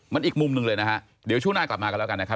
มันอีกมุมหนึ่งเลยนะฮะเดี๋ยวช่วงหน้ากลับมากันแล้วกันนะครับ